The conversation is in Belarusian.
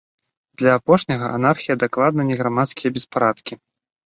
Для апошняга, анархія дакладна не грамадскія беспарадкі.